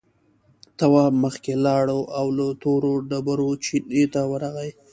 تواب مخکې لاړ او له تورو ډبرو چينې ته ورغی.